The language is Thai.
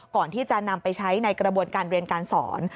ก่อนที่จะนำไปใช้ในกระบวนการเรียนการสอน